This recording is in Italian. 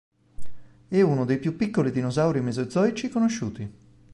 È uno dei più piccoli dinosauri mesozoici conosciuti.